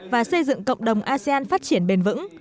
và xây dựng cộng đồng asean phát triển bền vững